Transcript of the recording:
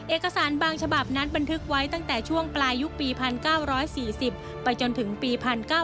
เอกสารบางฉบับนั้นบันทึกไว้ตั้งแต่ช่วงปลายยุคปี๑๙๔๐ไปจนถึงปี๑๙๙